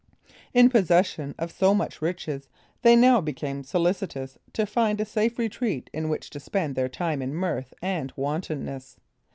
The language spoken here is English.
In possession of so much riches, they now became solicitous to find a safe retreat in which to spend their time in mirth and wantonness.